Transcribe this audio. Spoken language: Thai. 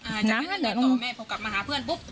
อ่าจะไม่ได้ต่อแม่พอกลับมาหาเพื่อนปุ๊บ